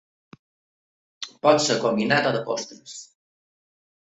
Pot ser combinat o de postres.